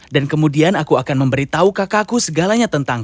dan kemudian aku akan memberitahu kakakku segalanya tentang kau